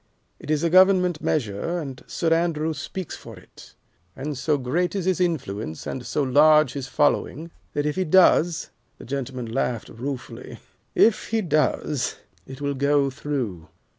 "It is a Government measure, and Sir Andrew speaks for it. And so great is his influence and so large his following that if he does" the gentleman laughed ruefully "if he does, it will go through.